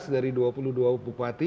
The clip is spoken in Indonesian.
sembilan belas dari dua puluh dua bupati